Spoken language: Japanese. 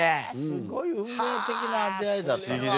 すごい運命的な出会いだったんだね。